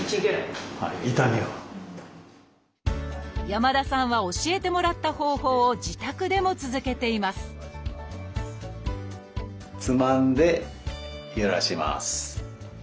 山田さんは教えてもらった方法を自宅でも続けていますつまんでゆらします。